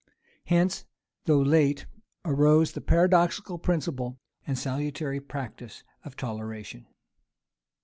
Hence, though late, arose the paradoxical principle and salutary practice of toleration.